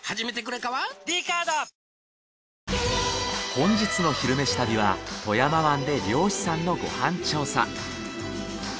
本日の「昼めし旅」は富山湾で漁師さんのご飯調査。